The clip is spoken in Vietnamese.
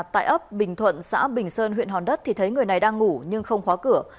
tại ấp bình thuận xã bình sơn huyện hòn đất thì thấy người này đang ngủ nhưng không khóa cửa